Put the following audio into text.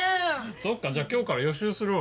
そっかじゃあ今日から予習するわ。